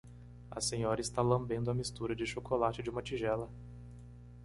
A senhora está lambendo a mistura de chocolate de uma tigela.